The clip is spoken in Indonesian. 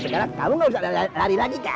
kamu gausah lari lagi kan